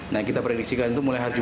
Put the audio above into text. nah kita prediksikan itu mulai hasilnya